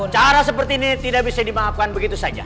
cara seperti ini tidak bisa dimaafkan begitu saja